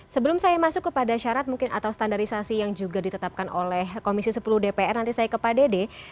sebelum saya masuk kepada syarat mungkin atau standarisasi yang juga ditetapkan oleh komisi sepuluh dpr nanti saya ke pak dede